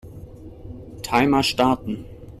Timer starten.